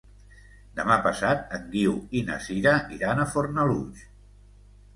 Demà passat en Guiu i na Sira iran a Fornalutx.